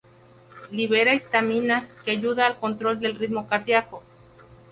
Libera histamina que ayuda al control del ritmo circadiano.